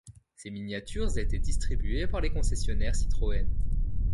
Ces miniatures étaient distribuées par les concessionnaires Citroën.